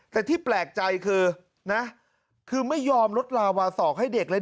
แต่ที่แปลกใจคือนะคือไม่ยอมลดลาวาสอกให้เด็กเลย